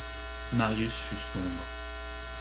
Marius fut sombre.